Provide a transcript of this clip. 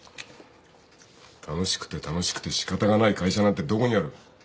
楽しくて楽しくてしかたがない会社なんてどこにある。